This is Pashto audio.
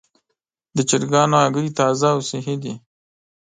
د چرګانو هګۍ تازه او صحي دي.